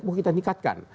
mungkin kita meningkatkan